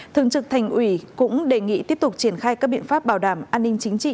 thường trực thành ủy cũng đề nghị tiếp tục triển khai các biện pháp bảo đảm an ninh chính trị